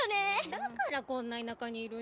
だからこんな田舎にいるんじゃん。